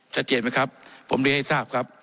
ชัดเจนไหมครับผมเรียนให้ทราบครับ